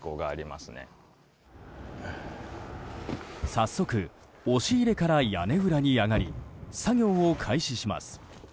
早速、押し入れから屋根裏に上がり作業を開始します。